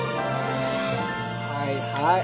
はいはい。